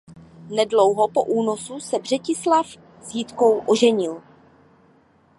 Nedlouho po únosu se Břetislav s Jitkou oženil.